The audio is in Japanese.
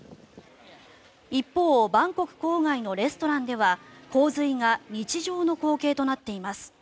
一方バンコク郊外のレストランでは洪水が日常の光景となっています。